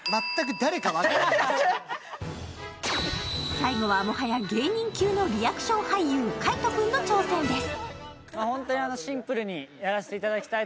最後はもはや芸人級のリアクション俳優、海音君の挑戦です。